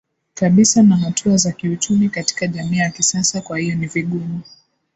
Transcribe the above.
kabisa na hatua za kiuchumi katika jamii ya kisasa Kwa hiyo ni vigumu